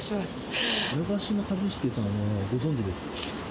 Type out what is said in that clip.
長嶋一茂さんはご存じですか？